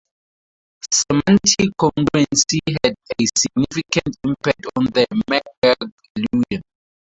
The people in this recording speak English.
Semantic congruency had a significant impact on the McGurk illusion.